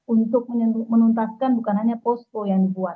untuk menuntaskan bukan hanya posko yang dibuat